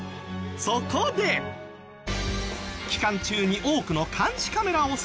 そこで期間中に多くの監視カメラを設置。